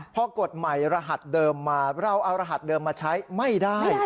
พอกฎใหม่รหัสเดิมมาเราเอารหัสเดิมมาใช้ไม่ได้